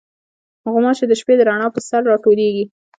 غوماشې د شپې د رڼا پر سر راټولېږي.